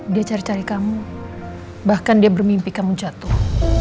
dia cari cari kamu bahkan dia bermimpi kamu jatuh